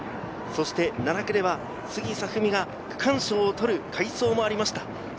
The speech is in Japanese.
７区では杉彩文海が区間賞を取る快走がありました。